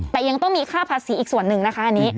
แต่ยังต้องมีค่าภาษีอีกส่วนหนึ่งนะคะอันนี้